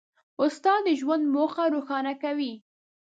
استاد د ژوند موخه روښانه کوي.